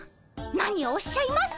何をおっしゃいます！